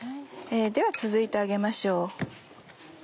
では続いて揚げましょう。